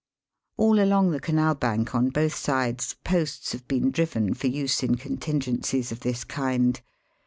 All along the Canal bank, on both sides, posts have been driven for use in contin * gencies of this kind.